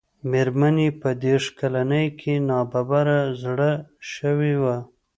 مېرمن يې په دېرش کلنۍ کې ناببره زړه شوې وه.